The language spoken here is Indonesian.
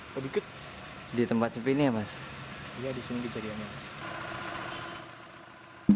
iya disini di jariannya